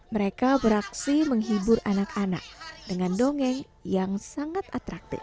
mereka beraksi menghibur anak anak dengan dongeng yang sangat atraktif